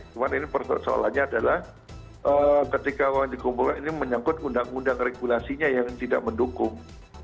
cuma ini persoalannya adalah ketika uang dikumpulkan ini menyangkut undang undang regulasinya yang tidak mendukung